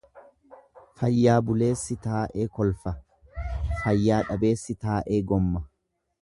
Fayyaa buleessi taa'ee kolfa, fayyaa dhabeessi taa'ee gomma.